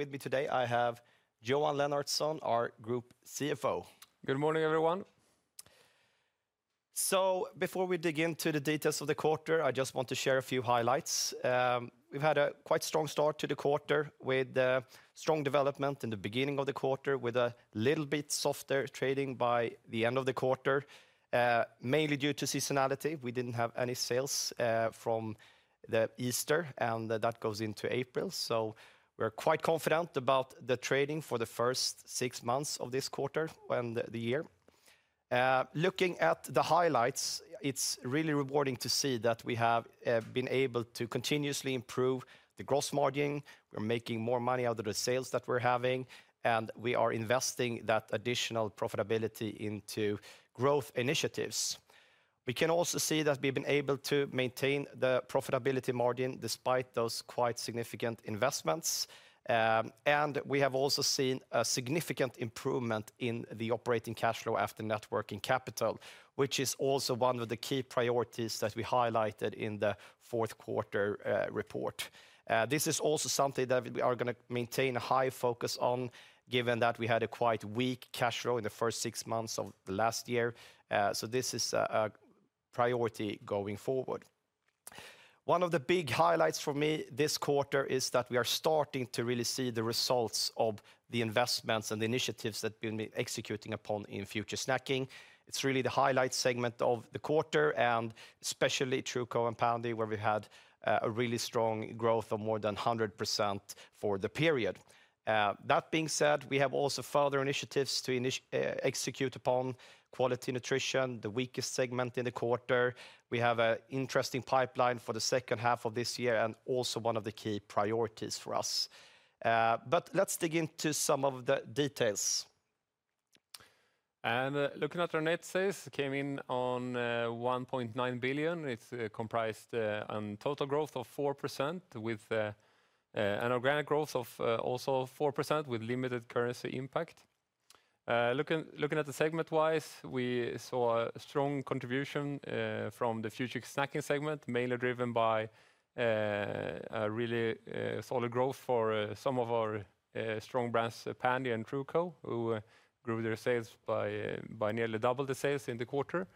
With me today, I have Johan Lennartsson, our Group CFO. Good morning, everyone. Before we dig into the details of the quarter, I just want to share a few highlights. We've had a quite strong start to the quarter with strong development in the beginning of the quarter, with a little bit softer trading by the end of the quarter, mainly due to seasonality. We didn't have any sales from Easter, and that goes into April. We're quite confident about the trading for the first six months of this quarter and the year. Looking at the highlights, it's really rewarding to see that we have been able to continuously improve the gross margin. We're making more money out of the sales that we're having, and we are investing that additional profitability into growth initiatives. We can also see that we've been able to maintain the profitability margin despite those quite significant investments. We have also seen a significant improvement in the operating cash flow after working capital, which is also one of the key priorities that we highlighted in the fourth quarter report. This is also something that we are going to maintain a high focus on, given that we had a quite weak cash flow in the first six months of the last year. This is a priority going forward. One of the big highlights for me this quarter is that we are starting to really see the results of the investments and the initiatives that we've been executing upon in Future Snacking. It's really the highlight segment of the quarter, and especially True Co and Pandy, where we had a really strong growth of more than 100% for the period. That being said, we have also further initiatives to execute upon: quality nutrition, the weakest segment in the quarter. We have an interesting pipeline for the second half of this year and also one of the key priorities for us. Let's dig into some of the details. Looking at our net sales, it came in on 1.9 billion. It comprised a total growth of 4%, with an organic growth of also 4%, with limited currency impact. Looking at the segment-wise, we saw a strong contribution from the Future Snacking segment, mainly driven by a really solid growth for some of our strong brands, Pandy and True Co, who grew their sales by nearly double the sales in the quarter.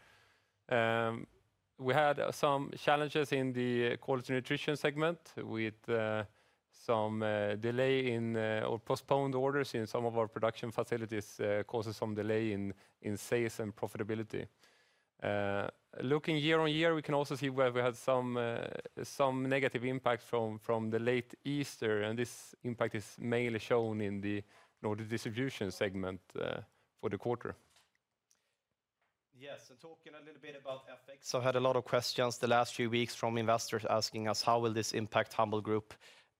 We had some challenges in the quality nutrition segment with some delay in or postponed orders in some of our production facilities, causing some delay in sales and profitability. Looking year on year, we can also see where we had some negative impact from the late Easter, and this impact is mainly shown in the distribution segment for the quarter. Yes, and talking a little bit about FX, we had a lot of questions the last few weeks from investors asking us, how will this impact Humble Group?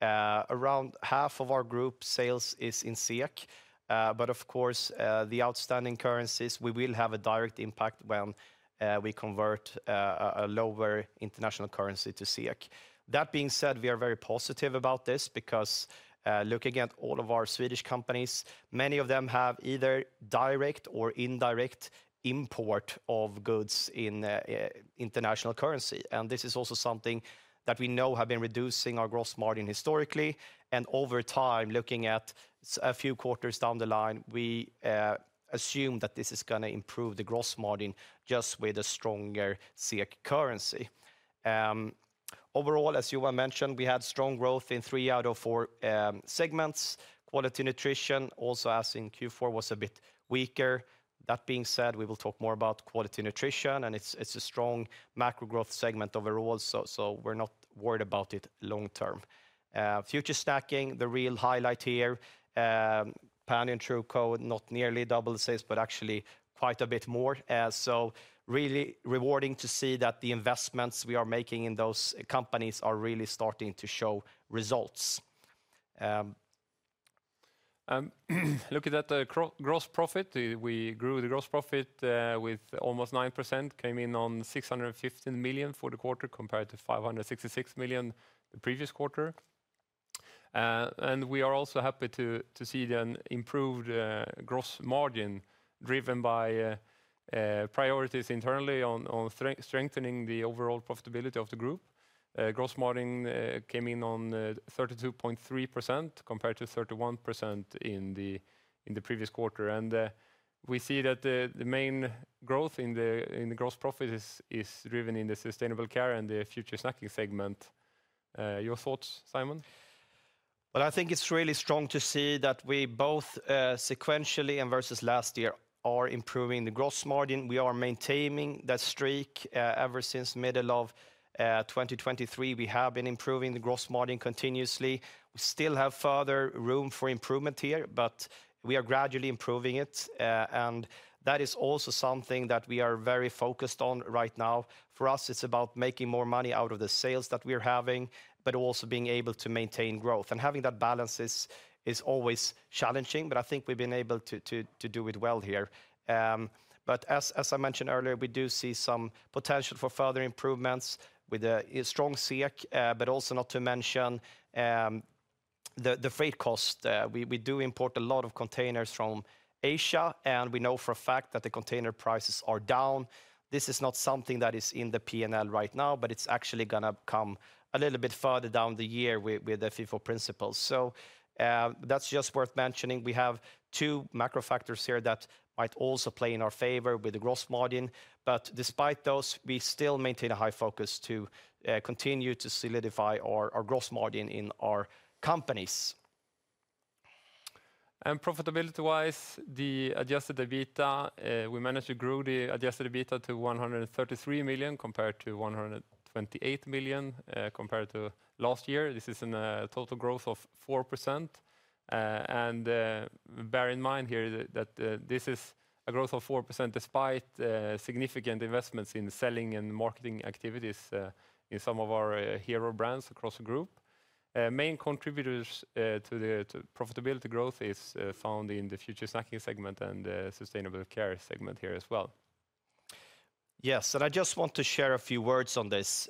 Around half of our group sales is in SEK, but of course, the outstanding currencies, we will have a direct impact when we convert a lower international currency to SEK. That being said, we are very positive about this because looking at all of our Swedish companies, many of them have either direct or indirect import of goods in international currency. This is also something that we know has been reducing our gross margin historically. Over time, looking at a few quarters down the line, we assume that this is going to improve the gross margin just with a stronger SEK currency. Overall, as Johan mentioned, we had strong growth in three out of four segments. Quality nutrition, also as in Q4, was a bit weaker. That being said, we will talk more about quality nutrition, and it's a strong macro growth segment overall, so we're not worried about it long term. Future Snacking, the real highlight here, Pandy and True Co, not nearly double the sales, but actually quite a bit more. Really rewarding to see that the investments we are making in those companies are really starting to show results. Looking at the gross profit, we grew the gross profit with almost 9%, came in on 615 million for the quarter compared to 566 million the previous quarter. We are also happy to see the improved gross margin driven by priorities internally on strengthening the overall profitability of the group. Gross margin came in on 32.3% compared to 31% in the previous quarter. We see that the main growth in the gross profit is driven in the sustainable care and the Future Snacking segment. Your thoughts, Simon? I think it's really strong to see that we both sequentially and versus last year are improving the gross margin. We are maintaining that streak ever since the middle of 2023. We have been improving the gross margin continuously. We still have further room for improvement here, but we are gradually improving it. That is also something that we are very focused on right now. For us, it's about making more money out of the sales that we're having, but also being able to maintain growth. Having that balance is always challenging, but I think we've been able to do it well here. As I mentioned earlier, we do see some potential for further improvements with a strong SEK, but also not to mention the freight cost. We do import a lot of containers from Asia, and we know for a fact that the container prices are down. This is not something that is in the P&L right now, but it's actually going to come a little bit further down the year with the FIFO principles. That's just worth mentioning. We have two macro factors here that might also play in our favor with the gross margin. Despite those, we still maintain a high focus to continue to solidify our gross margin in our companies. Profitability-wise, the adjusted EBITDA, we managed to grow the adjusted EBITDA to 133 million compared to 128 million compared to last year. This is a total growth of 4%. Bear in mind here that this is a growth of 4% despite significant investments in selling and marketing activities in some of our hero brands across the group. Main contributors to the profitability growth are found in the Future Snacking segment and the sustainable care segment here as well. Yes, and I just want to share a few words on this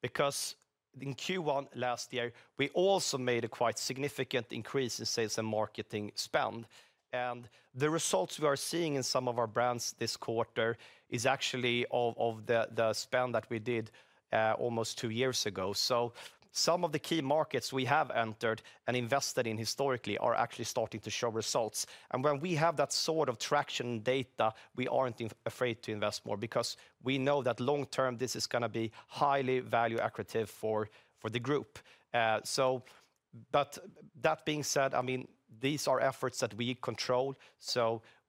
because in Q1 last year, we also made a quite significant increase in sales and marketing spend. The results we are seeing in some of our brands this quarter are actually of the spend that we did almost two years ago. Some of the key markets we have entered and invested in historically are actually starting to show results. When we have that sort of traction data, we aren't afraid to invest more because we know that long term, this is going to be highly value-accretive for the group. That being said, I mean, these are efforts that we control.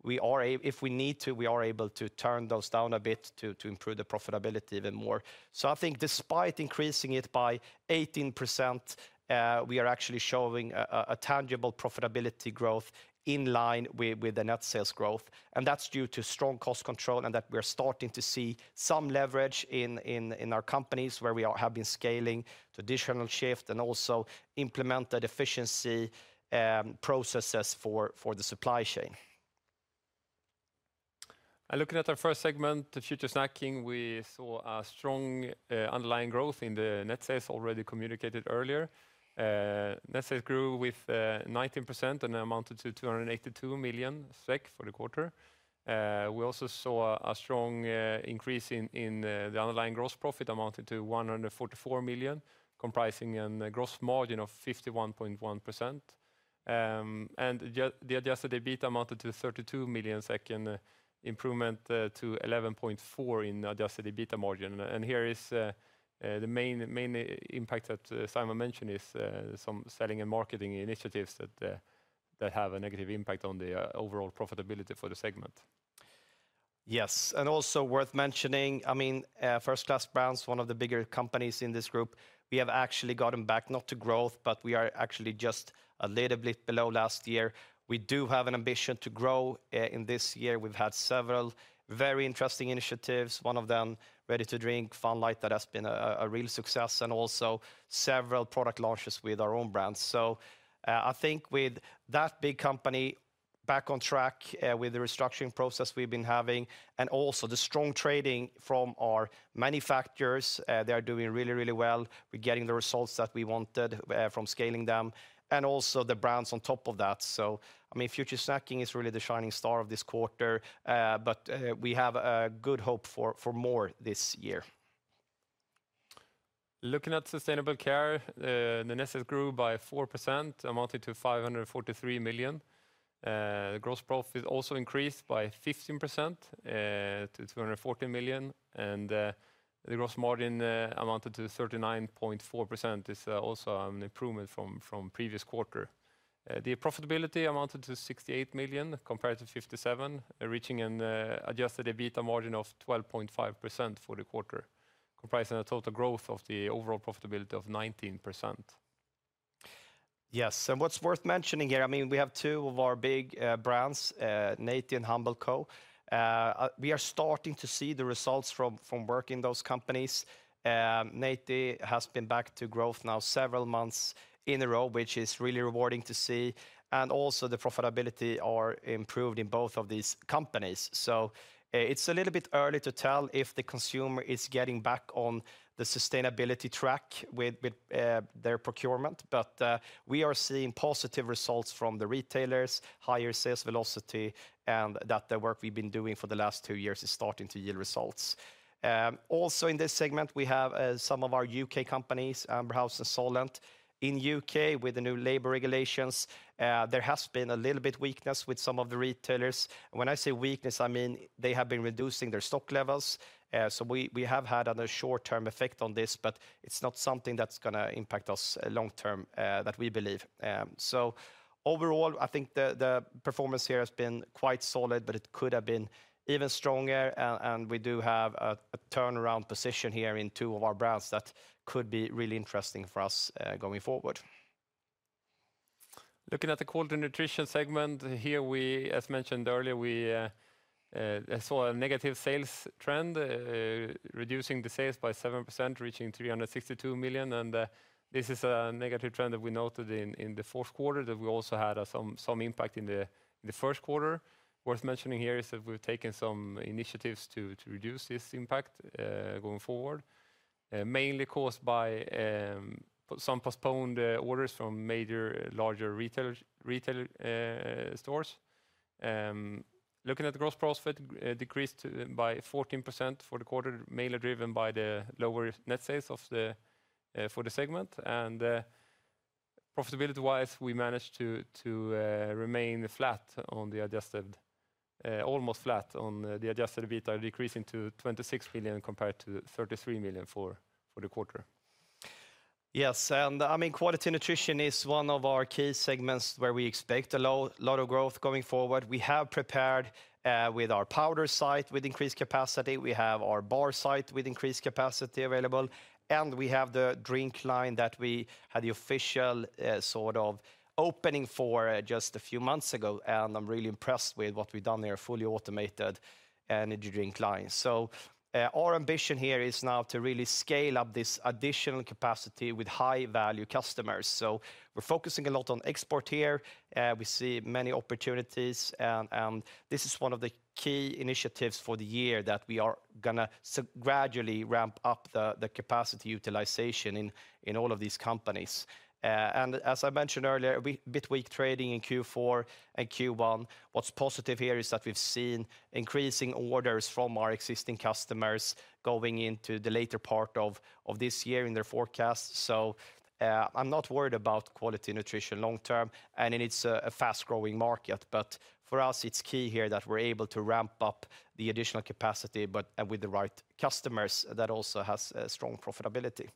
If we need to, we are able to turn those down a bit to improve the profitability even more. I think despite increasing it by 18%, we are actually showing a tangible profitability growth in line with the net sales growth. That is due to strong cost control and that we are starting to see some leverage in our companies where we have been scaling to additional shift and also implemented efficiency processes for the supply chain. Looking at our first segment, the Future Snacking, we saw a strong underlying growth in the net sales already communicated earlier. Net sales grew with 19% and amounted to 282 million SEK for the quarter. We also saw a strong increase in the underlying gross profit amounted to 144 million, comprising a gross margin of 51.1%. The adjusted EBITDA amounted to 32 million, improvement to 11.4% in adjusted EBITDA margin. Here is the main impact that Simon mentioned is some selling and marketing initiatives that have a negative impact on the overall profitability for the segment. Yes, and also worth mentioning, I mean, First Class Brands, one of the bigger companies in this group, we have actually gotten back not to growth, but we are actually just a little bit below last year. We do have an ambition to grow in this year. We've had several very interesting initiatives, one of them Ready to Drink, Fun Light, that has been a real success, and also several product launches with our own brands. I think with that big company back on track with the restructuring process we've been having and also the strong trading from our manufacturers, they are doing really, really well. We're getting the results that we wanted from scaling them and also the brands on top of that. I mean, Future Snacking is really the shining star of this quarter, but we have a good hope for more this year. Looking at sustainable care, the net sales grew by 4%, amounted to 543 million. The gross profit also increased by 15% to 240 million, and the gross margin amounted to 39.4%, which is also an improvement from previous quarter. The profitability amounted to 68 million compared to 57 million, reaching an adjusted EBITDA margin of 12.5% for the quarter, comprising a total growth of the overall profitability of 19%. Yes, and what's worth mentioning here, I mean, we have two of our big brands, Naty and Humble Co. We are starting to see the results from working in those companies. Naty has been back to growth now several months in a row, which is really rewarding to see. Also the profitability is improved in both of these companies. It is a little bit early to tell if the consumer is getting back on the sustainability track with their procurement, but we are seeing positive results from the retailers, higher sales velocity, and that the work we've been doing for the last two years is starting to yield results. Also in this segment, we have some of our U.K. companies, Amber House and Solent, in U.K. with the new labor regulations. There has been a little bit of weakness with some of the retailers. When I say weakness, I mean they have been reducing their stock levels. We have had a short-term effect on this, but it's not something that's going to impact us long-term that we believe. Overall, I think the performance here has been quite solid, but it could have been even stronger. We do have a turnaround position here in two of our brands that could be really interesting for us going forward. Looking at the quality nutrition segment here, as mentioned earlier, we saw a negative sales trend, reducing the sales by 7%, reaching 362 million. This is a negative trend that we noted in the fourth quarter that we also had some impact in the first quarter. Worth mentioning here is that we've taken some initiatives to reduce this impact going forward, mainly caused by some postponed orders from major larger retail stores. Looking at the gross profit, it decreased by 14% for the quarter, mainly driven by the lower net sales for the segment. Profitability-wise, we managed to remain almost flat on the adjusted EBITDA, decreasing to 26 million compared to 33 million for the quarter. Yes, and I mean, quality nutrition is one of our key segments where we expect a lot of growth going forward. We have prepared with our powder site with increased capacity. We have our bar site with increased capacity available, and we have the drink line that we had the official sort of opening for just a few months ago. I am really impressed with what we've done here, fully automated energy drink line. Our ambition here is now to really scale up this additional capacity with high-value customers. We are focusing a lot on export here. We see many opportunities, and this is one of the key initiatives for the year that we are going to gradually ramp up the capacity utilization in all of these companies. As I mentioned earlier, a bit weak trading in Q4 and Q1. What's positive here is that we've seen increasing orders from our existing customers going into the later part of this year in their forecast. I am not worried about quality nutrition long term, and it's a fast-growing market. For us, it's key here that we're able to ramp up the additional capacity, but with the right customers that also have strong profitability.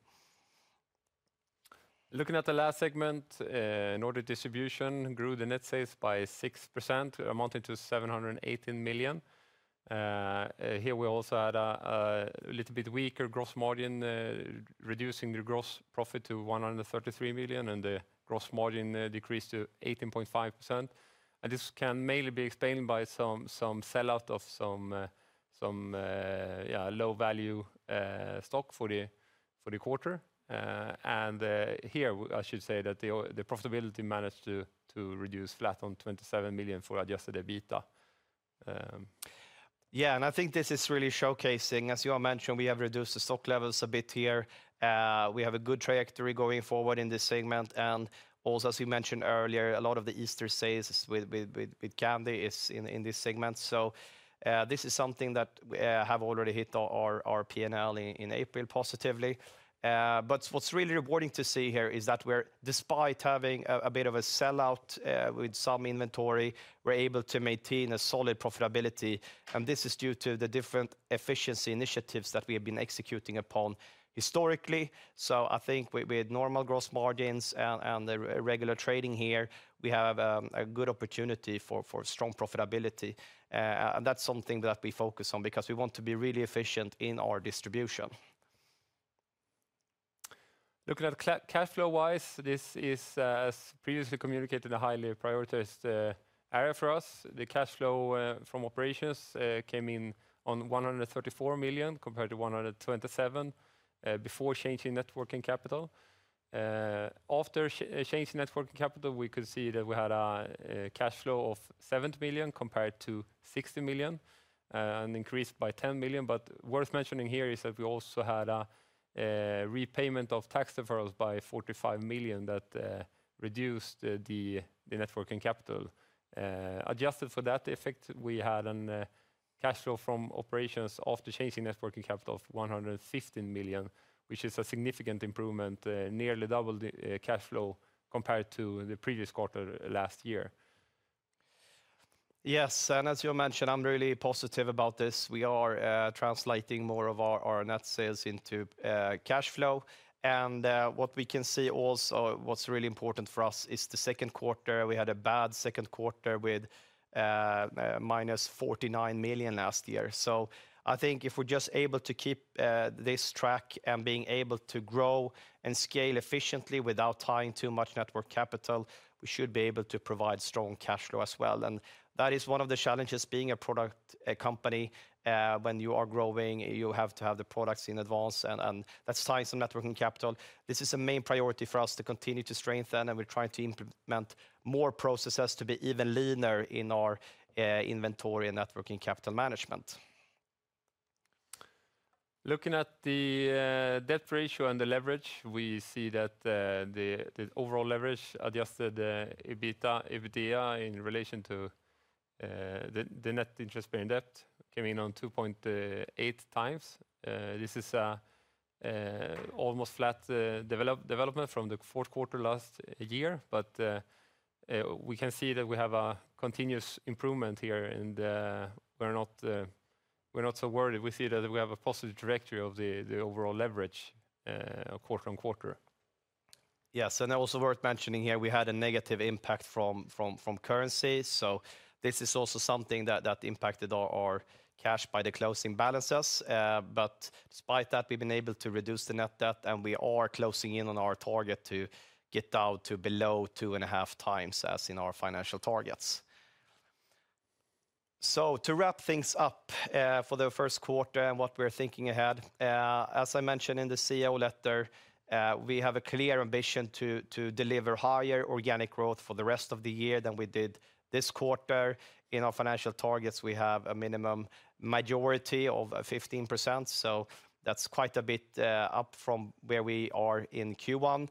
Looking at the last segment, Nordic Distribution grew the net sales by 6%, amounting to 718 million. Here we also had a little bit weaker gross margin, reducing the gross profit to 133 million and the gross margin decreased to 18.5%. This can mainly be explained by some sellout of some low-value stock for the quarter. I should say that the profitability managed to reduce flat on 27 million for adjusted EBITDA. Yeah, I think this is really showcasing, as Johan mentioned, we have reduced the stock levels a bit here. We have a good trajectory going forward in this segment. Also, as we mentioned earlier, a lot of the Easter sales with candy is in this segment. This is something that has already hit our P&L in April positively. What's really rewarding to see here is that we're, despite having a bit of a sellout with some inventory, able to maintain a solid profitability. This is due to the different efficiency initiatives that we have been executing upon historically. I think with normal gross margins and the regular trading here, we have a good opportunity for strong profitability. That's something that we focus on because we want to be really efficient in our distribution. Looking at cash flow-wise, this is, as previously communicated, a highly prioritized area for us. The cash flow from operations came in on 134 million compared to 127 million before changing working capital. After changing working capital, we could see that we had a cash flow of 70 million compared to 60 million and increased by 10 million. Worth mentioning here is that we also had a repayment of tax deferrals by 45 million that reduced the working capital. Adjusted for that effect, we had a cash flow from operations after changing working capital of 115 million, which is a significant improvement, nearly double the cash flow compared to the previous quarter last year. Yes, and as you mentioned, I'm really positive about this. We are translating more of our net sales into cash flow. What we can see also, what's really important for us is the second quarter. We had a bad second quarter with minus 49 million last year. I think if we're just able to keep this track and being able to grow and scale efficiently without tying too much working capital, we should be able to provide strong cash flow as well. That is one of the challenges being a product company. When you are growing, you have to have the products in advance, and that's tying some working capital. This is a main priority for us to continue to strengthen, and we're trying to implement more processes to be even leaner in our inventory and working capital management. Looking at the debt ratio and the leverage, we see that the overall leverage adjusted EBITDA in relation to the net interest paying debt came in on 2.8 times. This is almost flat development from the fourth quarter last year, but we can see that we have a continuous improvement here, and we're not so worried. We see that we have a positive trajectory of the overall leverage quarter on quarter. Yes, and also worth mentioning here, we had a negative impact from currency. This is also something that impacted our cash by the closing balances. Despite that, we've been able to reduce the net debt, and we are closing in on our target to get down to below 2.5 times as in our financial targets. To wrap things up for the first quarter and what we're thinking ahead, as I mentioned in the CEO letter, we have a clear ambition to deliver higher organic growth for the rest of the year than we did this quarter. In our financial targets, we have a minimum majority of 15%. That's quite a bit up from where we are in Q1.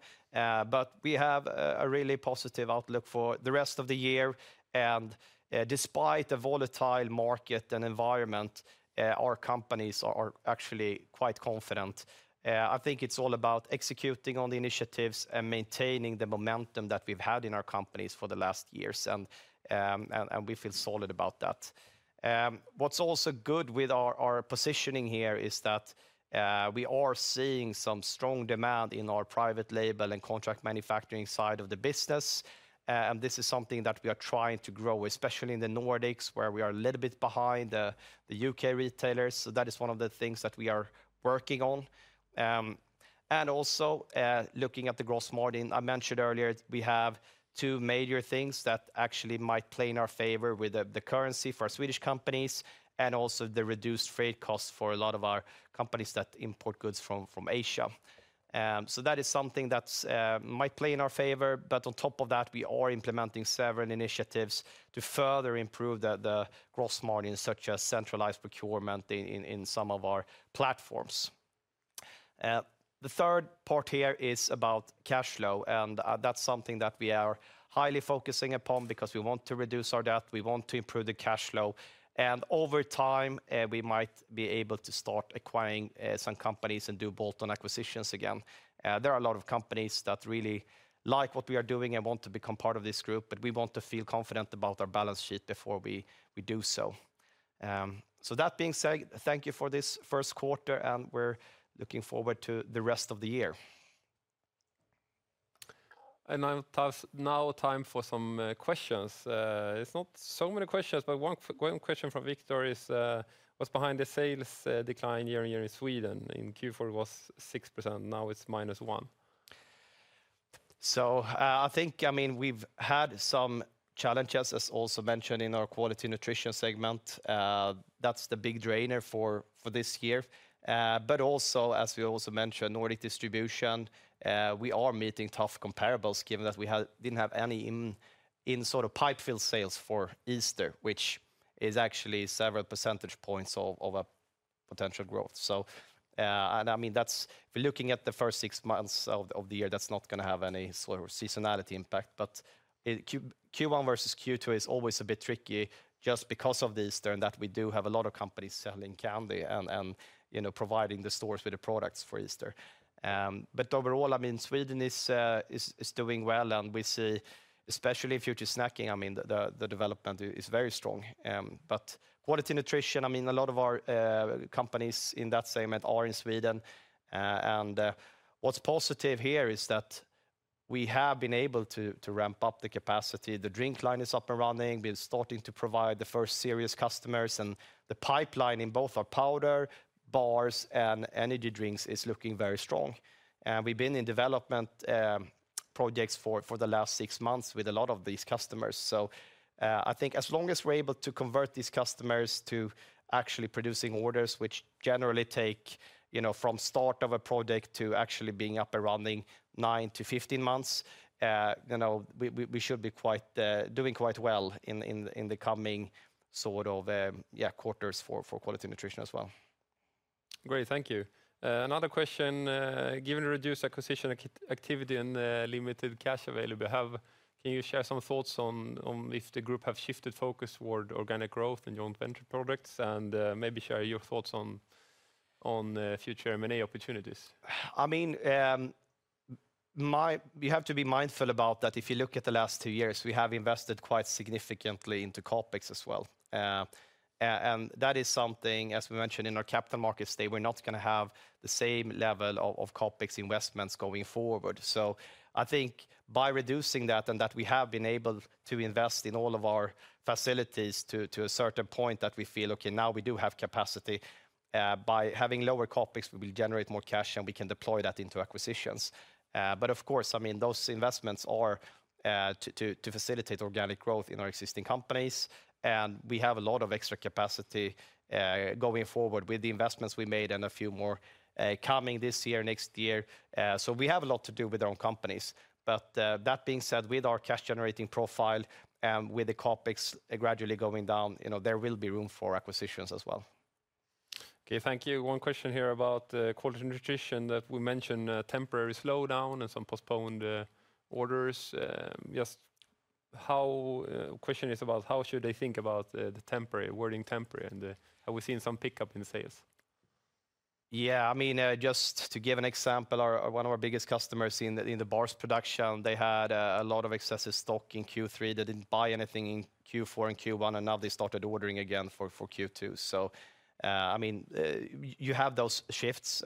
We have a really positive outlook for the rest of the year. Despite a volatile market and environment, our companies are actually quite confident. I think it's all about executing on the initiatives and maintaining the momentum that we've had in our companies for the last years, and we feel solid about that. What's also good with our positioning here is that we are seeing some strong demand in our private label and contract manufacturing side of the business. This is something that we are trying to grow, especially in the Nordics, where we are a little bit behind the U.K. retailers. That is one of the things that we are working on. Also, looking at the gross margin I mentioned earlier, we have two major things that actually might play in our favor with the currency for Swedish companies and also the reduced freight costs for a lot of our companies that import goods from Asia. That is something that might play in our favor. On top of that, we are implementing seven initiatives to further improve the gross margin, such as centralized procurement in some of our platforms. The third part here is about cash flow, and that's something that we are highly focusing upon because we want to reduce our debt. We want to improve the cash flow. Over time, we might be able to start acquiring some companies and do bolt-on acquisitions again. There are a lot of companies that really like what we are doing and want to become part of this group, but we want to feel confident about our balance sheet before we do so. That being said, thank you for this first quarter, and we're looking forward to the rest of the year. Now time for some questions. It's not so many questions, but one question from Victor is what's behind the sales decline year on year in Sweden? In Q4, it was 6%. Now it's -1. I think, I mean, we've had some challenges, as also mentioned in our quality nutrition segment. That's the big drainer for this year. Also, as we also mentioned, Nordic distribution, we are meeting tough comparables given that we didn't have any sort of pipe fill sales for Easter, which is actually several percentage points of a potential growth. I mean, if we're looking at the first six months of the year, that's not going to have any sort of seasonality impact. Q1 versus Q2 is always a bit tricky just because of the Easter and that we do have a lot of companies selling candy and providing the stores with the products for Easter. Overall, I mean, Sweden is doing well, and we see, especially in future snacking, the development is very strong. Quality nutrition, I mean, a lot of our companies in that segment are in Sweden. What's positive here is that we have been able to ramp up the capacity. The drink line is up and running. We're starting to provide the first serious customers, and the pipeline in both our powder, bars, and energy drinks is looking very strong. We've been in development projects for the last six months with a lot of these customers. I think as long as we're able to convert these customers to actually producing orders, which generally take from start of a project to actually being up and running nine to fifteen months, we should be doing quite well in the coming sort of quarters for quality nutrition as well. Great, thank you. Another question. Given the reduced acquisition activity and limited cash available, can you share some thoughts on if the group has shifted focus toward organic growth and joint venture products and maybe share your thoughts on future M&A opportunities? I mean, you have to be mindful about that. If you look at the last two years, we have invested quite significantly into CapEx as well. That is something, as we mentioned in our capital markets day, we're not going to have the same level of CapEx investments going forward. I think by reducing that and that we have been able to invest in all of our facilities to a certain point that we feel, okay, now we do have capacity. By having lower CapEx, we will generate more cash and we can deploy that into acquisitions. Of course, I mean, those investments are to facilitate organic growth in our existing companies. We have a lot of extra capacity going forward with the investments we made and a few more coming this year, next year. We have a lot to do with our own companies. That being said, with our cash generating profile and with the CapEx gradually going down, there will be room for acquisitions as well. Okay, thank you. One question here about quality nutrition that we mentioned, temporary slowdown and some postponed orders. Just how the question is about how should they think about the temporary, wording temporary, and have we seen some pickup in sales? Yeah, I mean, just to give an example, one of our biggest customers in the bars production, they had a lot of excessive stock in Q3. They didn't buy anything in Q4 and Q1, and now they started ordering again for Q2. I mean, you have those shifts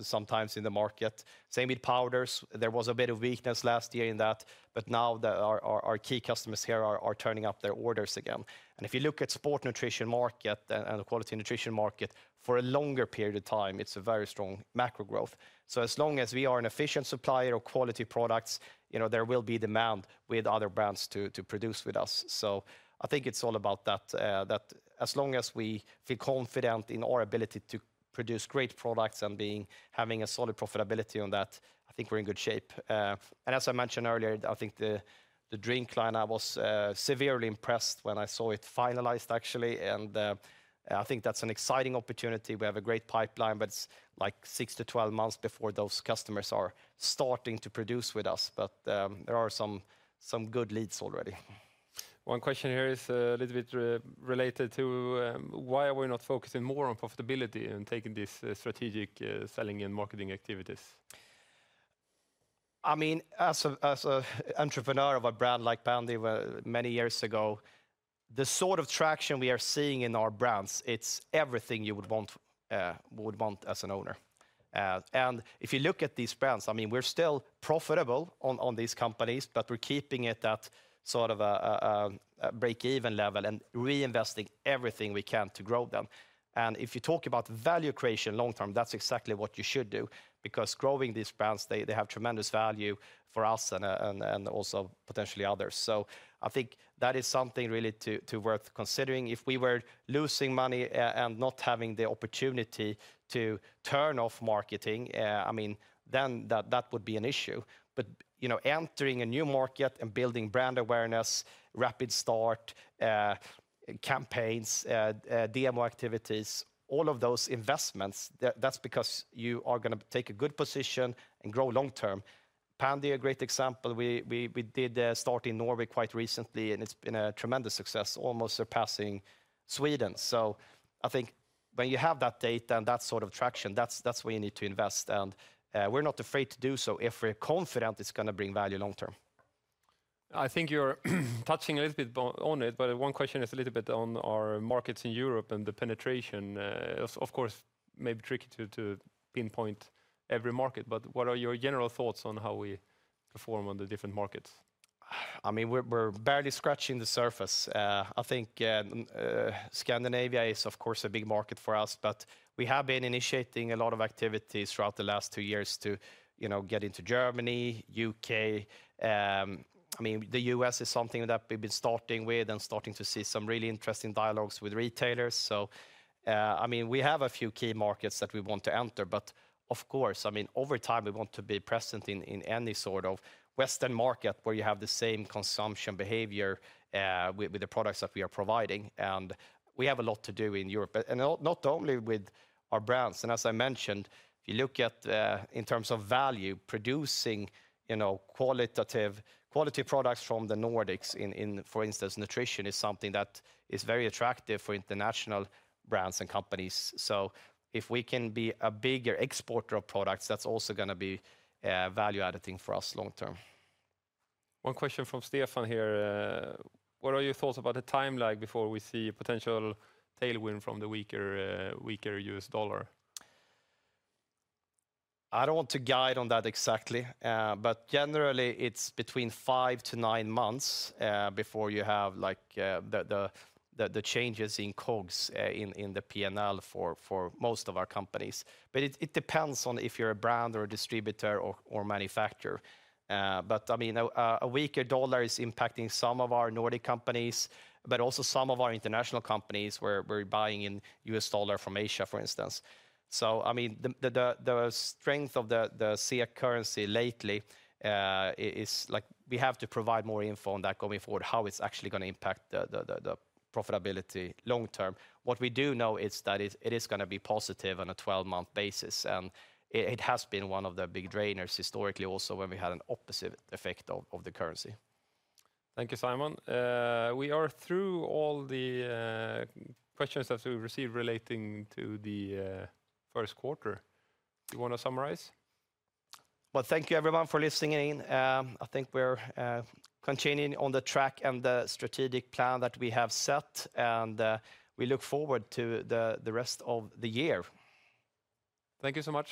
sometimes in the market. Same with powders. There was a bit of weakness last year in that, but now our key customers here are turning up their orders again. If you look at sport nutrition market and the quality nutrition market for a longer period of time, it's a very strong macro growth. As long as we are an efficient supplier of quality products, there will be demand with other brands to produce with us. I think it's all about that. As long as we feel confident in our ability to produce great products and having a solid profitability on that, I think we're in good shape. As I mentioned earlier, I think the drink line, I was severely impressed when I saw it finalized, actually. I think that's an exciting opportunity. We have a great pipeline, but it's like six to twelve months before those customers are starting to produce with us. There are some good leads already. One question here is a little bit related to why are we not focusing more on profitability and taking these strategic selling and marketing activities? I mean, as an entrepreneur of a brand like Pandy many years ago, the sort of traction we are seeing in our brands, it's everything you would want as an owner. If you look at these brands, I mean, we're still profitable on these companies, but we're keeping it at sort of a break-even level and reinvesting everything we can to grow them. If you talk about value creation long term, that's exactly what you should do because growing these brands, they have tremendous value for us and also potentially others. I think that is something really worth considering. If we were losing money and not having the opportunity to turn off marketing, I mean, then that would be an issue. Entering a new market and building brand awareness, rapid start campaigns, demo activities, all of those investments, that's because you are going to take a good position and grow long term. Pandy is a great example. We did start in Norway quite recently, and it's been a tremendous success, almost surpassing Sweden. I think when you have that data and that sort of traction, that's where you need to invest. We're not afraid to do so if we're confident it's going to bring value long term. I think you're touching a little bit on it, but one question is a little bit on our markets in Europe and the penetration. Of course, maybe tricky to pinpoint every market, but what are your general thoughts on how we perform on the different markets? I mean, we're barely scratching the surface. I think Scandinavia is, of course, a big market for us, but we have been initiating a lot of activities throughout the last two years to get into Germany, U.K. I mean, the U.S. is something that we've been starting with and starting to see some really interesting dialogues with retailers. I mean, we have a few key markets that we want to enter, but of course, over time, we want to be present in any sort of Western market where you have the same consumption behavior with the products that we are providing. We have a lot to do in Europe, and not only with our brands. As I mentioned, if you look at in terms of value, producing qualitative products from the Nordics, for instance, nutrition is something that is very attractive for international brands and companies. If we can be a bigger exporter of products, that is also going to be value-adding for us long term. One question from Stefan here. What are your thoughts about the time lag before we see a potential tailwind from the weaker US dollar? I don't want to guide on that exactly, but generally, it's between five to nine months before you have the changes in COGS in the P&L for most of our companies. It depends on if you're a brand or a distributor or manufacturer. I mean, a weaker dollar is impacting some of our Nordic companies, but also some of our international companies where we're buying in USD from Asia, for instance. I mean, the strength of the SEK currency lately is like we have to provide more info on that going forward, how it's actually going to impact the profitability long term. What we do know is that it is going to be positive on a twelve-month basis, and it has been one of the big drainers historically also when we had an opposite effect of the currency. Thank you, Simon. We are through all the questions that we received relating to the first quarter. Do you want to summarize? Thank you, everyone, for listening. I think we're continuing on the track and the strategic plan that we have set, and we look forward to the rest of the year. Thank you so much.